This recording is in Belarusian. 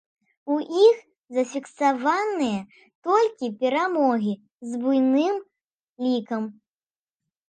У іх зафіксаваныя толькі перамогі з буйным лікам.